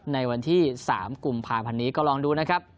ในวันที่๓กุมภาพันธ์นี้ก็ลองดูนะครับ